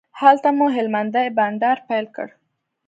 هلته مو هلمندی بانډار پیل کړ.